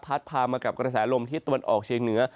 พามากับกระแสลมทิศตะวันออกเชียงเหนือ